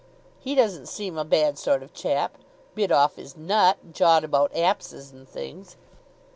"He doesn't seem a bad sort of chap. Bit off his nut. Jawed about apses and things."